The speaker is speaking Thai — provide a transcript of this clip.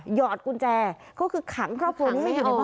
หอดกุญแจก็คือขังครอบครัวนี้ไม่อยู่ในบ้าน